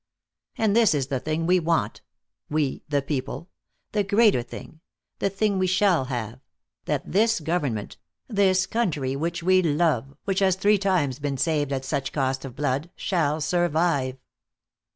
"And this is the thing we want, we the people; the greater thing, the thing we shall have; that this government, this country which we love, which has three times been saved at such cost of blood, shall survive."